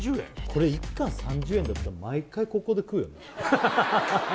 これ１貫３０円だったら毎回ここで食うよね